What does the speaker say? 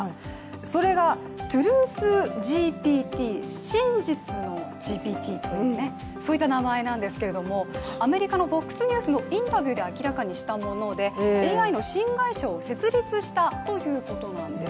それが、ＴｒｕｔｈＧＰＴ真実のＧＰＴという名前なんですけれどもアメリカのＦＯＸニュースのインタビューで明らかにしたものでＡＩの新会社を設立したということなんです。